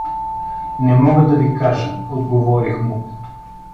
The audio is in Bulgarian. — Не мога да ви кажа — отговорих му.